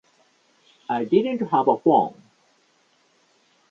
I didn't have a phone.